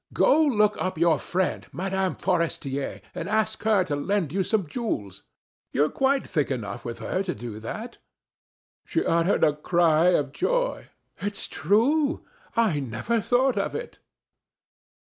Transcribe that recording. Go look up your friend Mme. Forestier, and ask her to lend you some jewels. You're quite thick enough with her to do that." She uttered a cry of joy: "It's true. I never thought of it."